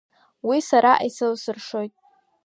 Уи сара исылсыршоит.